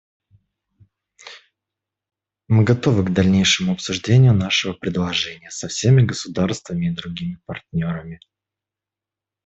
Мы готовы к дальнейшему обсуждению нашего предложения со всеми государствами и другими партнерами.